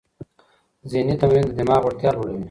ذهني تمرین د دماغ وړتیا لوړوي.